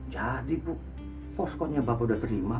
jadi pak poskonya pak sudah terima